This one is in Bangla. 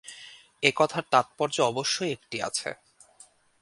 এ-কথার তাৎপর্য অবশ্যই একটি আছে।